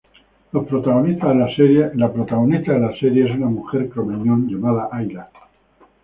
La protagonista de la serie es una mujer cromañón llamada Ayla.